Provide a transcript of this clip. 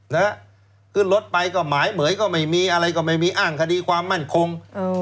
นะฮะขึ้นรถไปก็หมายเหมือยก็ไม่มีอะไรก็ไม่มีอ้างคดีความมั่นคงเออ